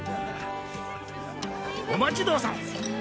お待ちどおさん！